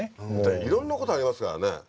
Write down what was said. いろんなことありますからね。